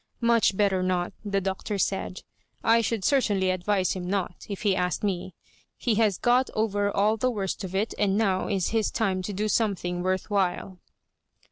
" Much better not," the Doctor said, —*' I should certainly advise him not, if he asked me. Ho has got over all the worst of it, and now is hia time to do something worth while."